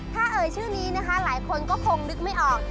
ถ้าเอ่ยชื่อนี้นะคะหลายคนก็คงนึกไม่ออก